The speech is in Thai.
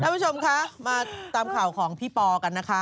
คุณผู้ชมคะมาตามข่าวของพี่ปอกันนะคะ